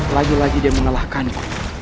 lagi lagi dia mengalahkanku